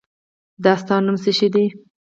د تا نوم څه شی ده؟